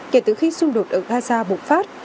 kể từ khi xung đột ở gaza bùng phát